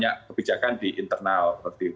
kebijakan di internal